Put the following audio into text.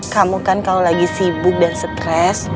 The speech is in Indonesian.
kamu kan kalau lagi sibuk dan stres